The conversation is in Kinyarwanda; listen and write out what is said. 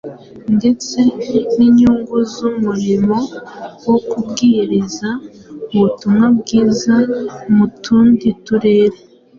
ndetse n’inyungu z’umurimo wo kubwiriza ubutumwa bwiza mu tundi turere;